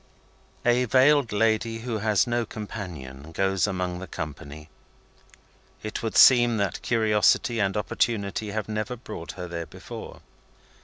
A veiled lady, who has no companion, goes among the company. It would seem that curiosity and opportunity have never brought her there before.